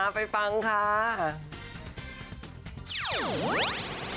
ไปฟังค่ะ